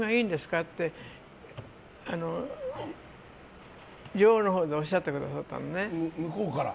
って女王のほうがおっしゃってくださって。